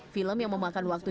film yang memakan waktu